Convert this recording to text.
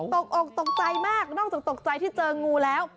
ตกอกตกใจมากนอกจากตกใจที่เจองูแล้ว